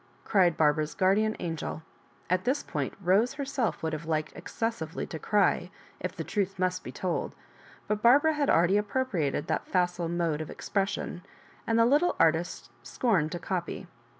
cried Barbara's guardian angeL At this point Bose herself would have liked ex cessively to cry, if the truth must be told; but Barbara had already appropriated that &cile mode of expression, and the little artist scorned to copy.